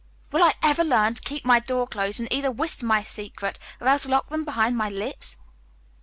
Will I ever learn to keep my door closed and either whisper my secrets or else lock them behind my lips?"